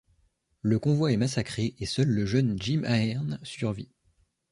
Le convoi est massacré et seul le jeune Jim Ahern survit.